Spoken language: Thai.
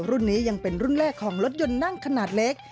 รุ่นนี้ยังเป็นรุ่นแรกของรถยนต์นั่งขนาดเล็ก